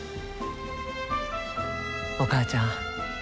お母ちゃん